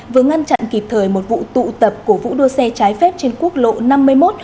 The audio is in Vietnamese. vừa ngăn chặn kịp thời một vụ tụ tập cổ vũ đua xe trái phép trên quốc lộ năm mươi một